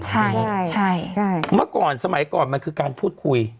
ใช่ใช่เมื่อก่อนสมัยก่อนมันคือการพูดคุย